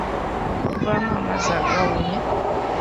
Okuvaamu amazzi agawunya?